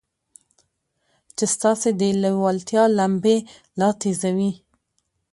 چې ستاسې د لېوالتیا لمبې لا تېزوي.